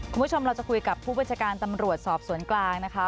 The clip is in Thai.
คุณผู้ชมเราจะคุยกับผู้บัญชาการตำรวจสอบสวนกลางนะคะ